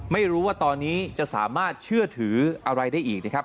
ไม่รู้ว่าตอนนี้จะสามารถเชื่อถืออะไรได้อีกนะครับ